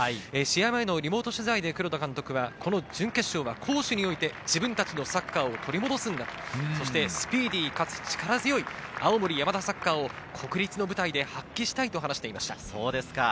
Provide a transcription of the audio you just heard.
試合前のリモート取材で黒田監督は準決勝は攻守において自分たちのサッカーを取り戻すんだと、スピーディーかつ力強い青森山田サッカーを国立の舞台で発揮したいと話していました。